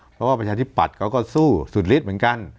เพราะว่าประชาที่ปัดเขาก็สู้สุดลิตเหมือนกัน